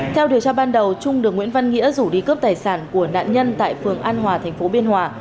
theo điều tra ban đầu trung được nguyễn văn nghĩa rủ đi cướp tài sản của nạn nhân tại phường an hòa thành phố biên hòa